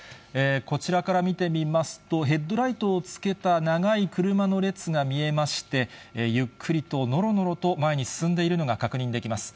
こちらから見てみますと、ヘッドライトをつけた長い車の列が見えまして、ゆっくりとのろのろと前に進んでいるのが確認できます。